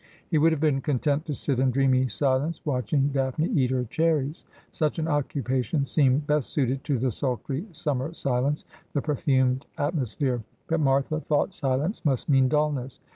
He would have been content to sit in dreamy silence watch ing Daphne eat her cherries. Such an occupation seemed best suited to the sultry summer silence, the perfumed atmo sphere. But Martha thought silence must mean dulness.